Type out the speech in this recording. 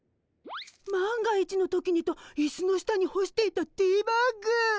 万が一の時にといすの下にほしていたティーバッグ。